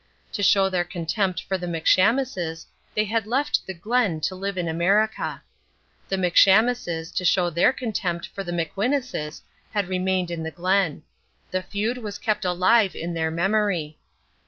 To show their contempt for the McShamuses they had left the Glen to live in America. The McShamuses, to show their contempt for the McWhinuses, had remained in the Glen. The feud was kept alive in their memory.